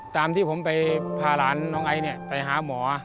ตามที่ผมไปพาหลานน้องไอซ์ไปหาหมอ